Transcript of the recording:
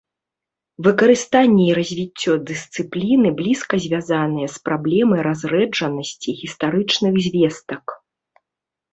Выкарыстанне і развіццё дысцыпліны блізка звязанае з праблемай разрэджанасці гістарычных звестак.